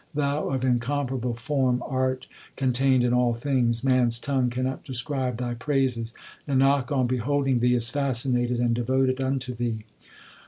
Thou of incomparable form art contained in all things ; Man s tongue cannot describe Thy praises ; Nanak on beholding Thee is fascinated, and devoted unto Thee.